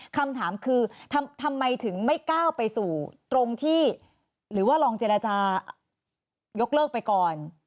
คำถามคือทำไมถึงไม่ก้าวไปสู่ตรงที่หรือว่าลองเจรจายกเลิกไปก่อน